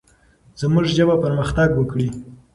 زموږ ژبه پرمختګ وکړي.